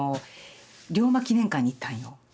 龍馬記念館に行ったんよ。